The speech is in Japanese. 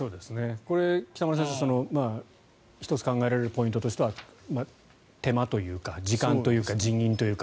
これ、北村先生１つ考えられるポイントとしては手間というか時間というか人員というか。